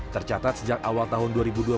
tercatat sejak awal tahun dua ribu dua puluh